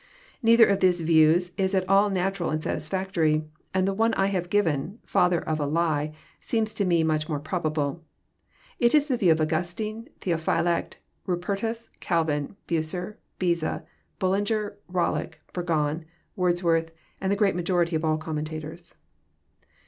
Neither of these views Is at all natural and satlsfkctory, — ^and the one I have given— father of a lie"— seems tome much more probable. It is the view of Augustine, Theophylact, Bupertus, Calvin, Bucer, Beza, Bullinger, Bollock, Burgon, Wordsworth, and the great majority of ail commentators.